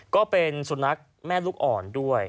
ก็เป็นสุนัขแม่ลูกอ่อนด้วย